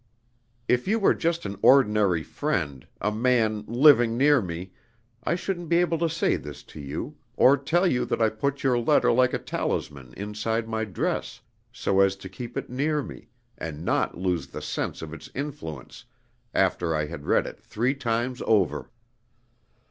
If you were just an ordinary friend, a man, living near me, I shouldn't be able to say this to you, or tell you that I put your letter like a talisman inside my dress, so as to keep it near me, and not lose the sense of its influence after I had read it three times over.